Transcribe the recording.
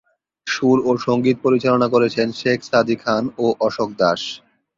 সুর ও সংগীত পরিচালনা করেছেন শেখ সাদী খান ও অশোক দাস।